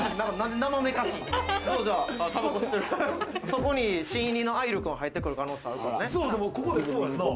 そこに新入りの愛流君が入ってくる可能性があるから。